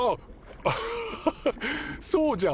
アハハハハそうじゃん